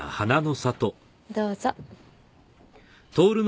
どうぞ。